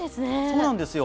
そうなんですよ。